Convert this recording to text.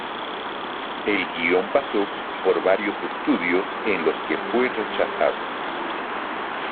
El guion pasó por varios estudios en los que fue rechazado.